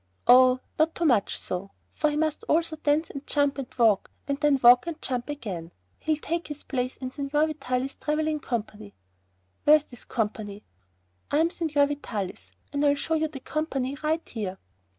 "Oh, not too much so, for he must also dance and jump and walk, and then walk and jump again. He'll take his place in Signor Vitalis' traveling company." "Where's this company?" "I am Signor Vitalis, and I'll show you the company right here."